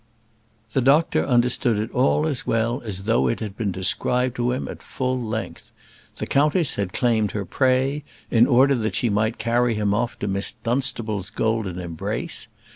The doctor understood it all as well as though it had been described to him at full length. The countess had claimed her prey, in order that she might carry him off to Miss Dunstable's golden embrace.